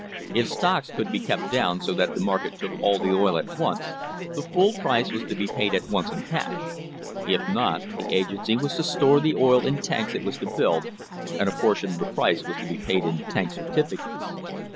If stocks could be kept down so that the market took all of the oil at once, the full price was to be paid at once in cash ; if not, the agency was to store the oil in tanks it was to build, and a portion of the price was to be paid in tank certificates.